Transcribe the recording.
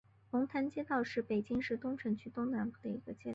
龙潭街道是北京市东城区东南部的一个街道。